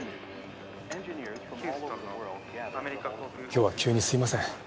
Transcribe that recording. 今日は急にすいません。